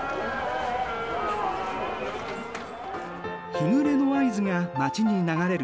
日暮れの合図が街に流れる。